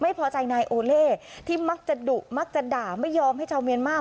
ไม่พอใจนายโอเล่ที่มักจะดุมักจะด่าไม่ยอมให้ชาวเมียนมาร์